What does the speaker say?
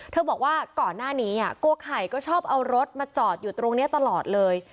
บอกว่าก่อนหน้านี้โกไข่ก็ชอบเอารถมาจอดอยู่ตรงนี้ตลอดเลย